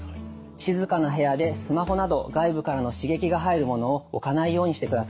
静かな部屋でスマホなど外部からの刺激が入るものを置かないようにしてください。